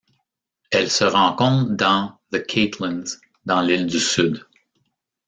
Elle se rencontre dans The Catlins dans l'île du Sud.